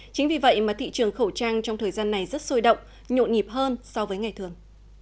chính vì vậy mà thị trường khẩu trang trong thời gian này rất sôi động nhộn nhịp hơn so với ngày thường